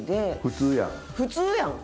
普通やん！